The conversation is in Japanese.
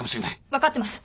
分かってます。